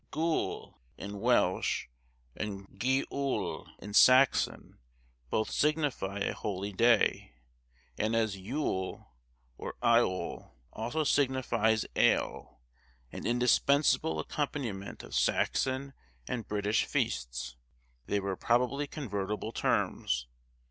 Gwyl in Welsh, and Geol in Saxon, both signify a holy day; and as Yule, or I ol, also signifies ale, an indispensable accompaniment of Saxon and British feasts, they were probably convertible terms.